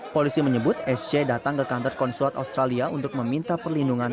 polisi menyebut sc datang ke kantor konsulat australia untuk meminta perlindungan